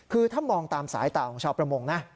คือถ้ามองตามสายตาของชาวประมงนะ